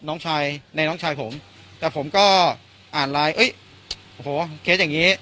น้องชายในน้องชายผมแต่ผมก็อ่านไลน์เอ้ยโอ้โหเคสอย่างนี้